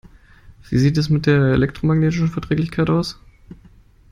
Wie sieht es mit der elektromagnetischen Verträglichkeit aus?